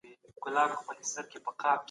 هغه وويل چي سوله وساتئ.